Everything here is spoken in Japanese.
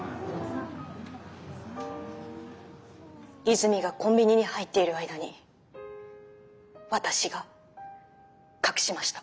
泉がコンビニに入っている間に私が隠しました。